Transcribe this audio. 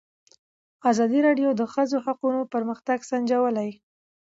ازادي راډیو د د ښځو حقونه پرمختګ سنجولی.